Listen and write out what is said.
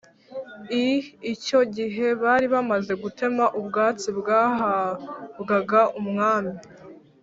i Icyo gihe bari bamaze gutema ubwatsi bwahabwaga umwami